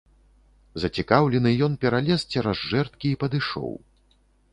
Зацікаўлены, ён пералез цераз жэрдкі і падышоў.